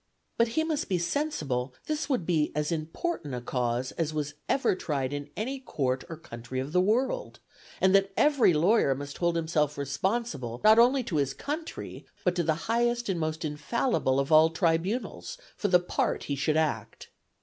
But he must be sensible this would be as important a cause as was ever tried in any court or country of the world; and that every lawyer must hold himself responsible not only to his country, but to the highest and most infallible of all tribunals, for the part he should act.